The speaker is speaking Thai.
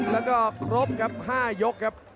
แล้วก็ครบครับ๕ยกครับ